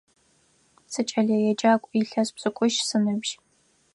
Сыкӏэлэеджакӏу, илъэс пшӏыкӏущ сыныбжь.